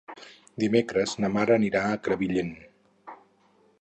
Dimecres na Mar anirà a Crevillent.